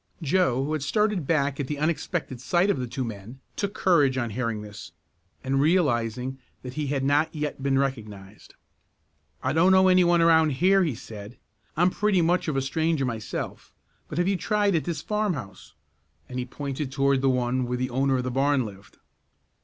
Joe, who had started back at the unexpected sight of the two men, took courage on hearing this, and realizing that he had not yet been recognized. "I don't know any one around here," he said. "I'm pretty much of a stranger myself, but have you tried at this farmhouse?" and he pointed toward the one where the owner of the barn lived.